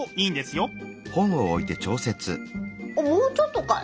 もうちょっとかい？